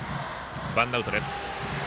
ワンアウトです。